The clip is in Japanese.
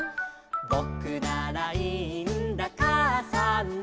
「ぼくならいいんだかあさんの」